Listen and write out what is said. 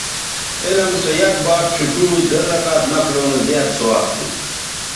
علم سویک باب ڇھیڇوزررکعت نفلوں نو زیات ثواب تھو